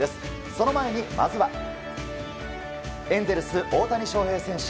その前にまずはエンゼルス、大谷翔平選手